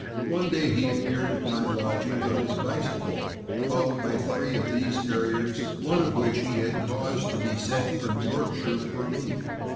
One day he appeared at my lodg ings on his bicycle, followed by three of these Terriers, one of which he had caused to be sent from Yorkshire for me.